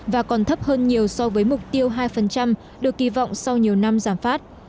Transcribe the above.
và còn thấp hơn nhiều so với mục tiêu hai được kỳ vọng sau nhiều năm giảm phát